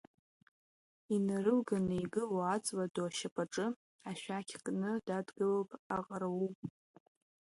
Инарылганы игылоу аҵла ду ашьапаҿы, ашәақь кны дадгылоуп аҟарул.